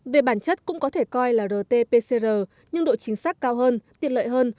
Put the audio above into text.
về bản chất cũng có thể coi là rt pcr nhưng độ chính xác cao hơn tiệt lợi hơn